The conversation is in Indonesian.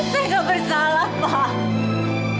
saya gak bersalah pak